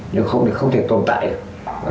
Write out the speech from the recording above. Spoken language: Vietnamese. nhưng không thể tồn tại được